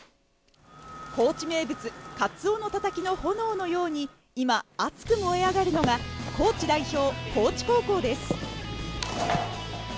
高知名物、かつおのたたきの炎のように今、熱く燃え上がるのが高知代表・高知高校です。